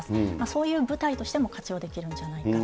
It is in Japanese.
そういう舞台としても活用できるんじゃないか。